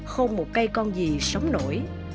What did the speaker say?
không một cây con gì sống nổi